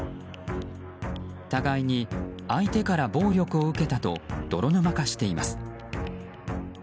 互いに、相手から暴力を受けたと泥沼化しています。